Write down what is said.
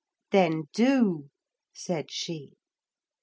'Then do,' said she.